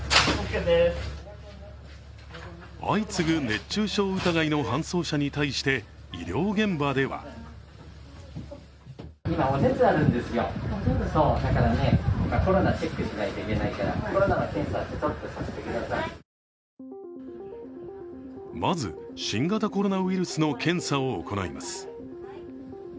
相次ぐ熱中症疑いの搬送者に対して、医療現場ではまず新型コロナウイルスの検査を行います。